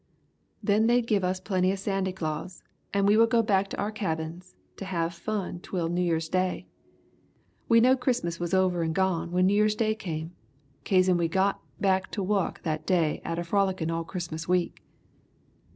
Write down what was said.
Then they'd give us plenty of Sandy Claus and we would go back to our cabins to have fun twel New Year's day. We knowed Christmas was over and gone when New Year's day come, kazen we got back to wuk that day atter frolickin' all Christmas week.